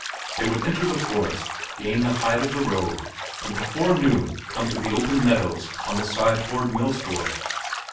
They would enter the forest, gain the height on the road, and before noon come to the open meadows on the side toward Millsdorf.